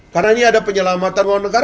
karena ini ada penyelamatan luar negara